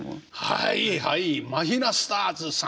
はいはいマヒナスターズさん。